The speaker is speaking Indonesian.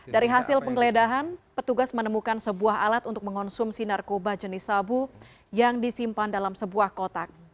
dari hasil penggeledahan petugas menemukan sebuah alat untuk mengonsumsi narkoba jenis sabu yang disimpan dalam sebuah kotak